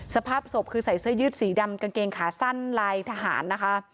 สภาพศพคือใส่เสื้อยืดสีดำกางเกงขาสั้นลายทหารนะคะ